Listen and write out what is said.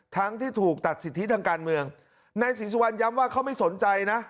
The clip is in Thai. ทั้งที่ถูกตัดสิทธิทางการเมืองนายศรีสุวรรณย้ำว่าเขาไม่สนใจนะ